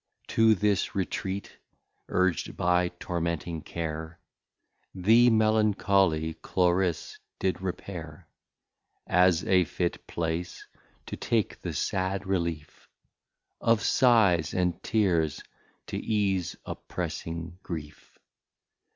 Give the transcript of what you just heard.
To this Retreat, urg'd by tormenting Care, The melancholly Cloris did repair, As a fit Place to take the sad Relief Of Sighs and Tears, to ease oppressing Grief.